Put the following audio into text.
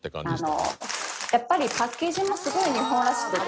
やっぱりパッケージもすごい日本らしくて。